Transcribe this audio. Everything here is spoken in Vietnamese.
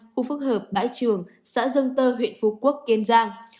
khu phức hợp bãi trường xã dân tơ huyện phú quốc kiên giang